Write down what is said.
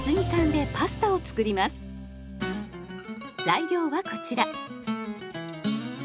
材料はこちら。